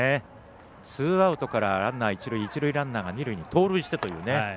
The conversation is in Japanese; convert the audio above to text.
ツーアウトからランナー、一塁一塁ランナーが二塁へ盗塁してという。